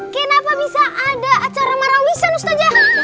kenapa bisa ada acara marawisan ustaznya